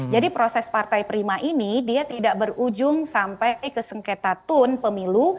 jadi proses partai prima ini dia tidak berujung sampai ke sengketa tun pemilu